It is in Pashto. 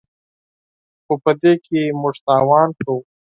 خو په دې کې موږ تاوان کوو.